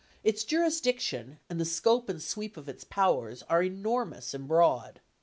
Its jurisdiction and the scope and sweep of its powers are enormous and broad.